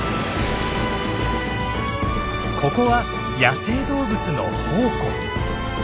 ここは野生動物の宝庫。